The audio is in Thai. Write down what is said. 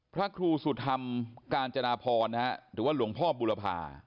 พระครูสุธรรมกาญจนาพรหรือว่าหลวงพ่อบุรพา